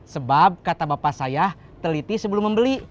sebab kata bapak saya teliti sebelum membeli